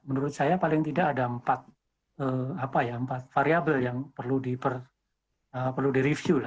menurut saya paling tidak ada empat variable yang perlu direview lah